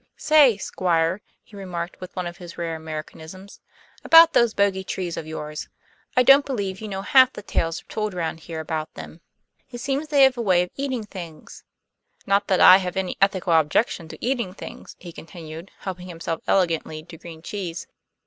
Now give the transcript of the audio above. "Say, Squire," he remarked, with one of his rare Americanisms, "about those bogey trees of yours; I don't believe you know half the tales told round here about them. It seems they have a way of eating things. Not that I have any ethical objection to eating things," he continued, helping himself elegantly to green cheese.